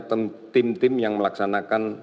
tim tim yang melaksanakan